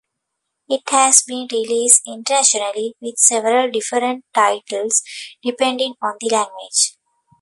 It has been released internationally with several different titles, depending on the language.